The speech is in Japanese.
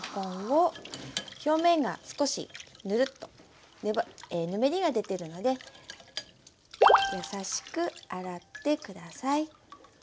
表面が少しヌルッぬめりが出てるので優しく洗って下さい。